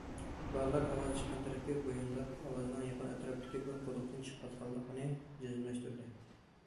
بالىلار ئاۋاز چىققان تەرەپكە بويۇنداپ، ئاۋازنىڭ يېقىن ئەتراپتىكى بىر قۇدۇقتىن چىقىۋاتقانلىقىنى جەزملەشتۈردى.